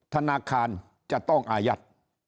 ธนาคารจะต้องอายัด